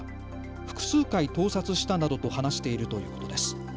複数回、盗撮したなどと話しているということです。